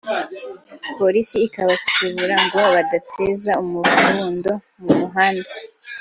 Polisi ikabakebura ngo badateza umuvundo mu muhanda